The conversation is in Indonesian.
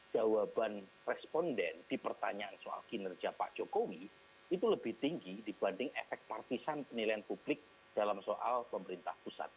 jawaban responden di pertanyaan soal kinerja pak jokowi itu lebih tinggi dibanding efek partisan penilaian publik dalam soal pemerintah pusat